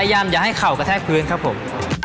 อย่าให้เข่ากระแทกพื้นครับผม